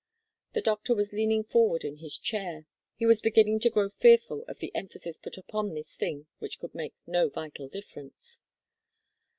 The doctor was leaning forward in his chair. He was beginning to grow fearful of the emphasis put upon this thing which could make no vital difference.